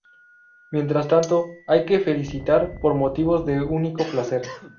Mientras tanto, hay que felicitar por motivos de único placer.